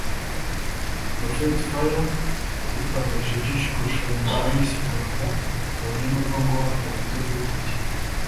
Prophet Fire yadutangarije byinshi ku irushanwa rya Miss Rwanda kabone n'ubwo ngo adakunze kurikurikirana